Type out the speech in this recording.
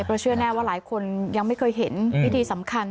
เพราะเชื่อแน่ว่าหลายคนยังไม่เคยเห็นวิธีสำคัญ